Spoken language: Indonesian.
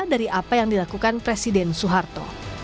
dari apa yang dilakukan presiden soeharto